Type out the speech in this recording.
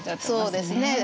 そうですね。